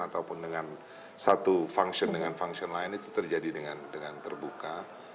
ataupun dengan satu function dengan function lain itu terjadi dengan terbuka